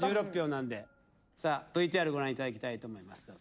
１６票なんでさあＶＴＲご覧いただきたいと思います